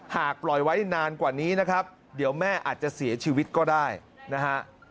หากปล่อยไว้นานกว่านี้นะครับเดี๋ยวแม่อาจจะเสียชีวิตก็ได้นะฮะ